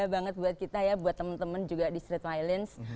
banget buat kita ya buat temen temen juga di street violence